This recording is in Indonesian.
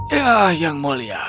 ya yang mulia